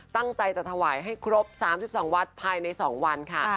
ตั้งใจจะถวายให้ครบ๓๒วัดภายใน๒วันค่ะ